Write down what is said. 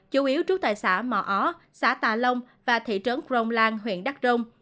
chủ yếu trú tại xã mò ó xã tà long và thị trấn crong lan huyện đắc rông